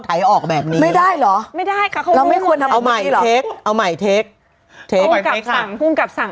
ไถ้ออกแบบนี้ไม่ได้หรอไม่ได้ค่ะเราไม่ควรเอาใหม่เทคเอาใหม่เทคเทคคุ้นกับสั่ง